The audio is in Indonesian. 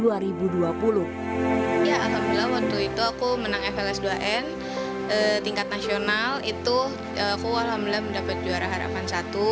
ya alhamdulillah waktu itu aku menang fls dua n tingkat nasional itu aku alhamdulillah mendapat juara harapan satu